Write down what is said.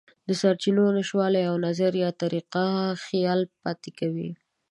د سرچینو نشتوالی یو نظر یا طریقه خیال پاتې کوي.